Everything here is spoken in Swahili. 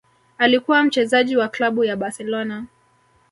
Alikuwa mchezaji wa klabu ya Barcelona